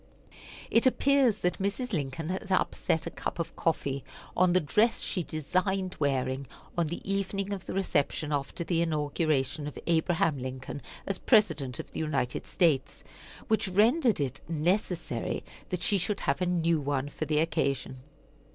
It appears that Mrs. Lincoln had upset a cup of coffee on the dress she designed wearing on the evening of the reception after the inauguration of Abraham Lincoln as President of the United States, which rendered it necessary that she should have a new one for the occasion.